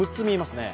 ね